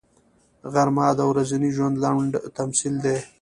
غرمه د ورځني ژوند لنډ تمثیل دی